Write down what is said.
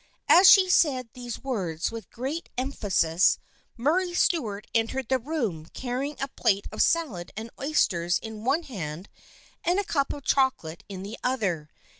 As she said these words with great emphasis, Murray Stuart entered the room, carrying a plate of salad and oysters in one hand and a cup of chocolate in the other.